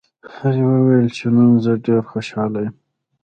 هغې وویل چې نن زه ډېره خوشحاله یم